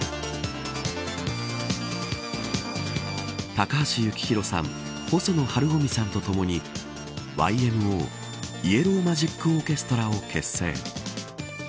高橋幸宏さん細野晴臣さんとともにＹＭＯイエロー・マジック・オーケストラを結成。